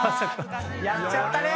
やっちゃったね！